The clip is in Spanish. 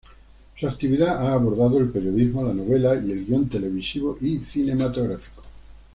Su actividad ha abordado el periodismo, la novela y el guion televisivo y cinematográfico.